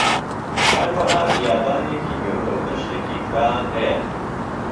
هەروەها بیابانێکی گەورە و دەشتێکی فران هەیە